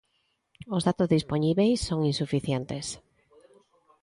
Os datos dispoñíbeis son insuficientes.